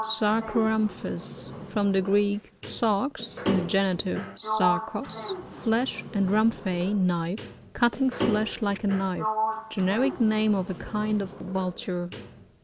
Sarooeamphus. — From the Greek, tarXf (in the genitivQ, Barho9^) flesh, and ramphe, knife: cutting flesh like a knife. Generic name of a kind of Vnlture.